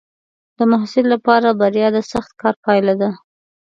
د محصل لپاره بریا د سخت کار پایله ده.